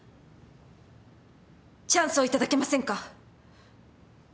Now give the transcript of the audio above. チャンスを頂けませんか？